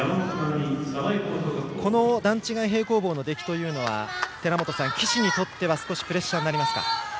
この段違い平行棒の出来は寺本さん、岸にとってはプレッシャーになりますか？